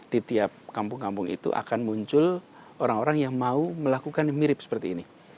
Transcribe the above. di tiap kampung kampung itu akan muncul orang orang yang mau melakukan mirip seperti ini